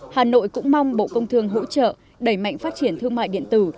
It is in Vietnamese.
hà nội cũng mong bộ công thương hỗ trợ đẩy mạnh phát triển thương mại điện tử